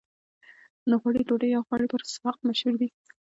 د غوړیو ډوډۍ یا غوړي بسراق مشهور دي.